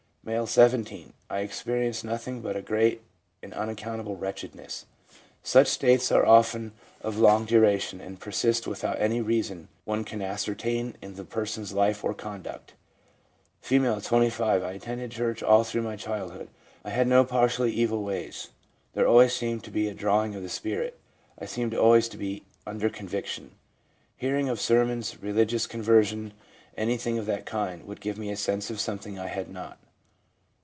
* M., 17. ( I experienced nothing but a great and unaccountable wretchedness/ Such states are often of long duration, and persist without any reason one can ascertain in the person's life or conduct. F., 25. 'I attended church all through my childhood. I had no particularly evil ways. There always seemed to be a drawing of the spirit. ... I seemed always to be under conviction. Hearing of sermons, religious conversation, anything of that kind, would give me a sense of something I had not.